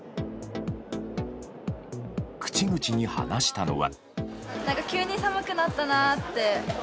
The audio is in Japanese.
口々に話したのは。